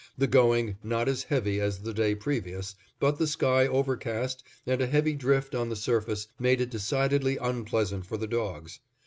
The going not as heavy as the day previous; but the sky overcast, and a heavy drift on the surface made it decidedly unpleasant for the dogs.